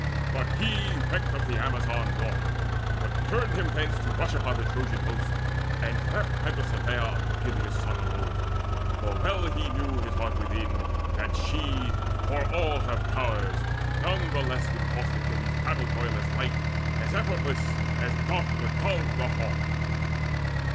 But he Recked of the Amazon naught, but turned him thence To rush upon the Trojan host, and left Penthesileia unto Peleus' son Alone, for well he knew his heart within That she, for all her prowess, none the less Would cost Achilles battle toil as light, As effortless, as doth the dove the hawk.